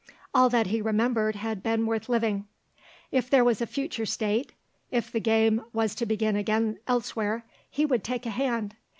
All that he remembered had been worth living. If there was a future state, if the game was to begin again elsewhere, he would take a hand.